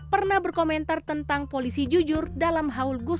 pernah berkomentar tentang polisi jujur dalam haul gusdur dua ribu sembilan belas